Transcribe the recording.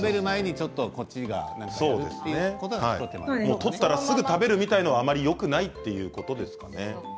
取ったらすぐ食べるみたいなことはよくないということですね。